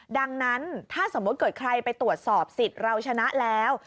ดังนั้นถ้าสมมุติเกิดใครไปตรวจสอบสิทธิ์เราชนะแล้ว